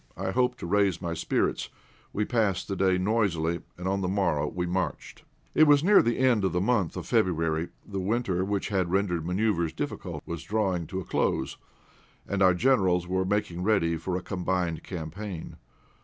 I hoped to raise my spirits; we passed the day noisily, and on the morrow we marched. It was near the end of the month of February. The winter, which had rendered manoeuvres difficult, was drawing to a close, and our Generals were making ready for a combined campaign.